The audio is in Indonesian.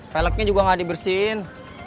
peleknya juga ga dibersihin